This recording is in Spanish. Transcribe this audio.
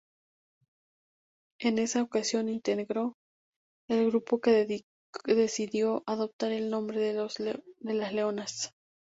En esa ocasión, integró el grupo que decidió adoptar el nombre Las Leonas.